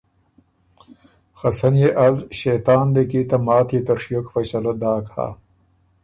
خه سن يې از ݭېطان لیکی ته ماتيې ته ڒیوک فیصلۀ داک هۀ۔